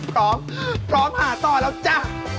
พร้อมพร้อมหาต่อแล้วจ้ะ